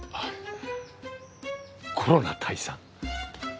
コロナ退散。